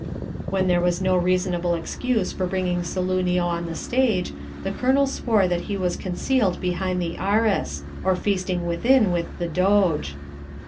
When there was no reasonable excuse for bringing Saloonio on the stage the Colonel swore that he was concealed behind the arras, or feasting within with the doge.